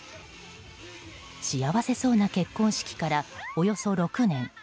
幸せそうな結婚式からおよそ６年。